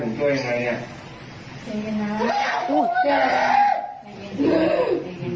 แล้วเจอแค่ไหน